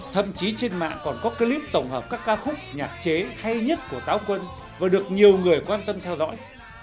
thậm chí trên mạng còn có clip tổng hợp các ca khúc nhạc chế hay nhất của táo quân và được nhiều người quan tâm theo dõi